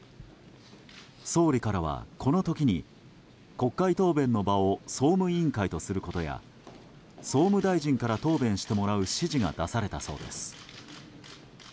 総理からは、この時に国会答弁の場を総務委員会とすることや総務大臣から答弁してもらう指示が出されたそうです。